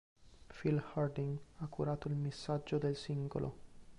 Phil Harding ha curato il missaggio del singolo.